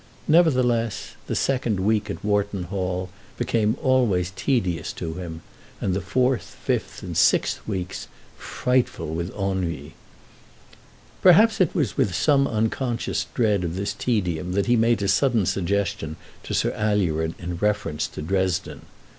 Nevertheless, the second week at Wharton Hall became always tedious to him, and the fourth, fifth, and sixth weeks frightful with ennui. Perhaps it was with some unconscious dread of this tedium that he made a sudden suggestion to Sir Alured in reference to Dresden.